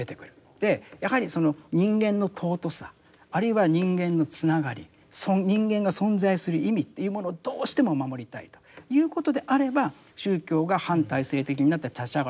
でやはりその人間の尊さあるいは人間のつながり人間が存在する意味というものをどうしても守りたいということであれば宗教が反体制的になって立ち上がるということはある。